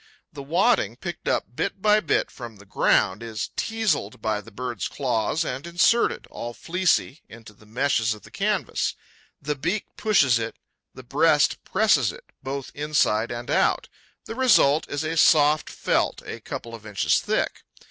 The wadding, picked up bit by bit from the ground, is teazled by the bird's claws and inserted, all fleecy, into the meshes of the canvas. The beak pushes it, the breast presses it, both inside and out. The result is a soft felt a couple of inches thick.